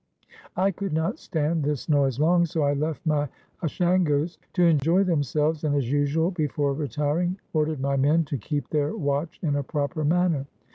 I could not stand this noise long, so I left my Ashan gos to enjoy themselves, and, as usual before retiring, ordered my men to keep their watch in a proper manner.